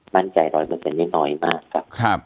มั่นใจ๑๐๐ไม่น้อยมากครับ